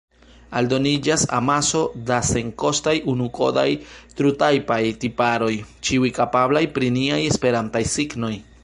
Aldoniĝas amaso da senkostaj unikodaj trutajpaj tiparoj, ĉiuj kapablaj pri niaj esperantaj signoj.